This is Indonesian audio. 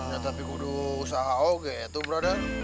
ya tapi kudu usaha o gitu brother